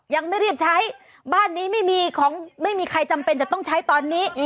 อย่างไม่เรียบใช้บ้านนี้ไม่มีใครจำเป็นจะต้องใช้ตอนนี้